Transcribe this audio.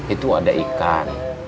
itu ada ikan